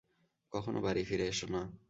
কখনো বাড়ি ফিরে এসো না।